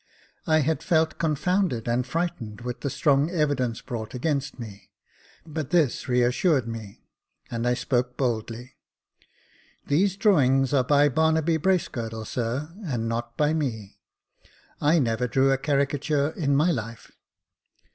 I had felt confounded and frightened with the strong evidence brought against me ; but this re assured me, and I spoke boldly. " These drawings are by Barnaby Bracegirdle, sir, and not by me. I never drew a caricature in my life."